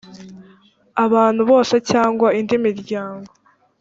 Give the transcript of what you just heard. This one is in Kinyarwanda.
abantu bose cyangwa indi miryango